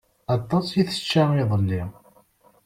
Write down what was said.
Aṭas i tečča iḍelli.